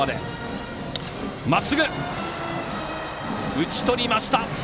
打ち取りました。